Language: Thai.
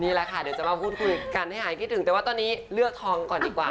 นี่แหละค่ะเดี๋ยวจะมาพูดคุยกันให้หายคิดถึงแต่ว่าตอนนี้เลือกทองก่อนดีกว่า